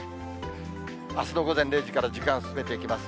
あすの午前０時から時間進めていきます。